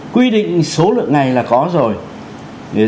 quy định số lượng ngày là có rồi